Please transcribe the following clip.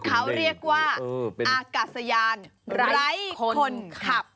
เขาเรียกว่าอากาศยานไร้คนขับ